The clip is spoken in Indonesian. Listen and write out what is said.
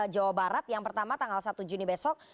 jawa barat yang pertama tanggal satu juni besok